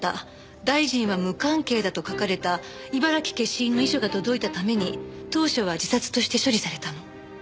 大臣は無関係だ」と書かれた茨城消印の遺書が届いたために当初は自殺として処理されたの。